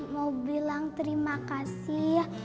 mau bilang terima kasih